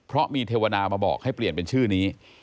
เพราะมีเทวดามาบอกให้เปลี่ยนเป็นชื่อนี้